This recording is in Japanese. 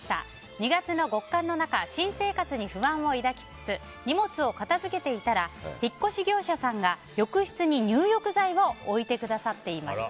２月の極寒の中新生活に不安を抱きつつ荷物を片付けていたら引っ越し業者さんが浴室に入浴剤を置いてくださっていました。